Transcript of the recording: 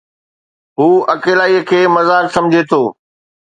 هو اڪيلائي کي مذاق سمجهي ٿو